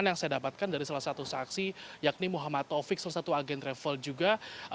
yang saya dapatkan dari salah satu saksi yakni muhammad taufik salah satu agen travel juga